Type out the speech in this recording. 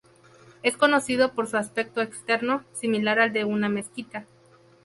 Es conocido por su aspecto externo, similar al de una mezquita.